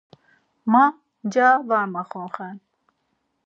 Ma nca var maxorxen.